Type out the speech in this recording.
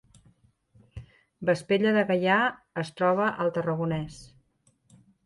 Vespella de Gaià es troba al Tarragonès